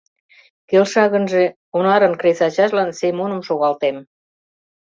— Келша гынже, Онарын кресачажлан Семоным шогалтем.